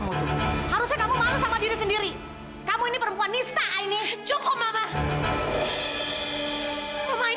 jujur sama aku ma